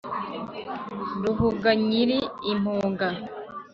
ruhuga nyiri impuga